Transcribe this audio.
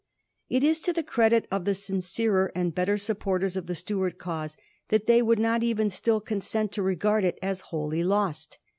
It is to the credit of the sincerer and better supporters of the Stuart cause, that they would not even still consent to regard it as wholly lost.